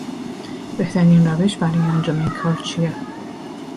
بهترین روش برای انجام این کار چیه